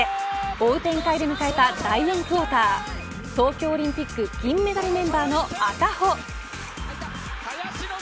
追う展開で迎えた第４クオーター東京オリンピック銀メダルメンバーの赤穂。